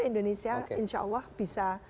indonesia insya allah bisa